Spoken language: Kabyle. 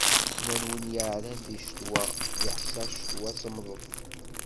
Nnan win yeεran di ccetwa, yeḥṣa ccetwa semmḍet.